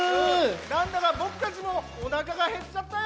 なんだかぼくたちもおなかがへっちゃったよ。